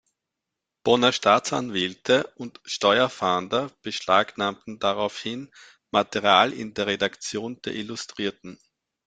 Bonner Staatsanwälte und Steuerfahnder beschlagnahmten daraufhin Material in der Redaktion der Illustrierten.